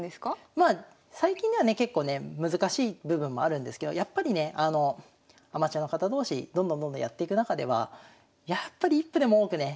まあ最近ではね結構ね難しい部分もあるんですけどやっぱりねアマチュアの方同士どんどんどんどんやってく中ではやっぱり１歩でも多くね